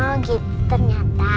oh gitu ternyata